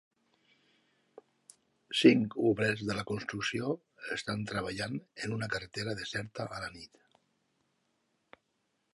Cinc obrers de la construcció estan treballant en una carretera deserta a la nit.